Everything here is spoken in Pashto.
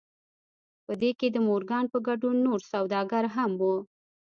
په دې کې د مورګان په ګډون نور سوداګر هم وو